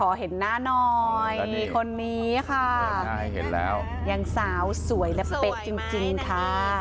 เห็นหน้าหน่อยคนนี้ค่ะใช่เห็นแล้วยังสาวสวยและเป๊ะจริงจริงค่ะ